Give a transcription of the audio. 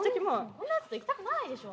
こんなやつと行きたくないでしょ。